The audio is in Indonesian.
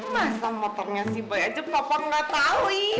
masa motornya si boy aja papa gak tahu ii